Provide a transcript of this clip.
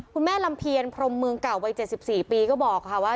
ลำเพียรพรมเมืองเก่าวัย๗๔ปีก็บอกค่ะว่า